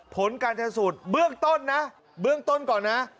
ผลการชนสูตรเบื้องต้นนะเบื้องต้นก่อนนะ